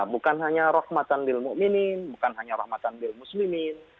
bukan hanya rahmatan lil mu'minin bukan hanya rahmatan lil muslimin